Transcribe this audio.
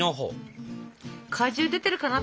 果汁出てるかな？